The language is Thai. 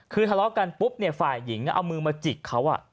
คือทะเลาะกันปุ๊บเนี่ยฝ่ายหญิงเอามือมาจิกเขา